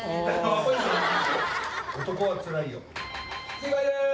正解です！